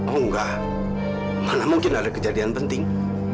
oh enggak mana mungkin ada kejadian penting